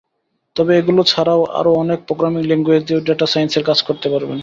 তবে এগুলো ছাড়াও আরও অনেক প্রোগ্রামিং ল্যাংগুয়েজ দিয়েও ডেটা সাইন্সের কাজ করতে পারবেন।